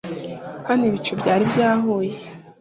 hano ibicu byari byahuye